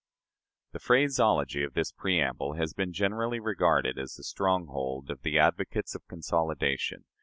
The phraseology of this preamble has been generally regarded as the stronghold of the advocates of consolidation.